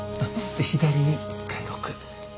で左に１回６。